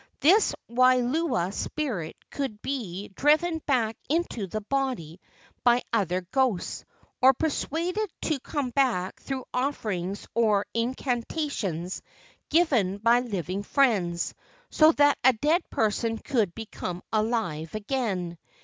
This wai lua spirit could be driven back into the body by other ghosts, or persuaded to come back through offerings or incantations given by living friends, so that a dead person could become alive again.